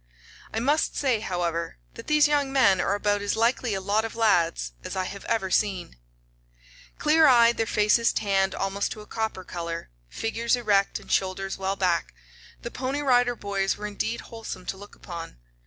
I must say, however, that these young men are about as likely a lot of lads as I have ever seen." Clear eyed, their faces tanned almost to a copper color, figures erect and shoulders well back, the Pony Rider Boys were indeed wholesome to look upon.